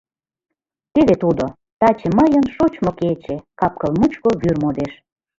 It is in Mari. Теве тудо: “Таче мыйын шочмо кече, капкыл мучко вӱр модеш!..”